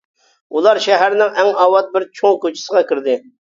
ئۇلار شەھەرنىڭ ئەڭ ئاۋات بىر چوڭ كوچىسىغا كىردى.